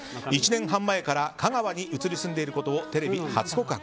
１年半前から香川に移り住んでいることをテレビ初告白。